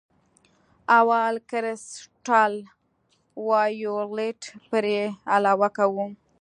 اول کرسټل وایولېټ پرې علاوه کوو.